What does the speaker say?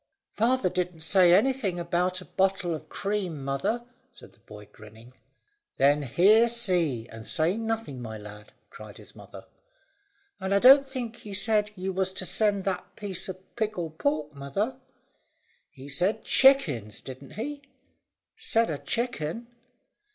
"Father didn't say anything about a bottle of cream, mother," said the boy, grinning. "Then hear, see, and say nothing, my lad," cried his mother. "And I don't think he said you was to send that piece of pickled pork, mother." "He said chickens, didn't he?" "Said a chickun."